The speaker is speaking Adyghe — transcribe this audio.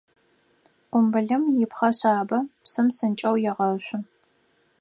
Къумбылым ипхъэ шъабэ, псым псынкӏэу егъэшъу.